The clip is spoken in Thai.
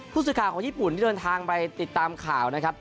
ผู้สื่อข่าวของญี่ปุ่นที่เดินทางไปติดตามข่าวนะครับ